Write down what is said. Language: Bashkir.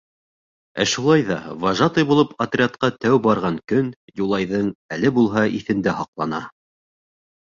Ә шулай ҙа вожатый булып отрядҡа тәү барған көн Юлайҙың әле булһа иҫендә һаҡлана.